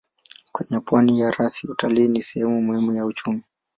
Kwenye pwani ya rasi utalii ni sehemu muhimu ya uchumi.